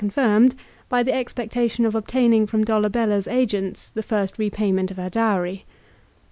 189 confirmed, by the expectation of obtaining from Dolabella's agents the first repayment of her dowry.